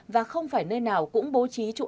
và không phải nơi nào cũng có lúc gặp sự cố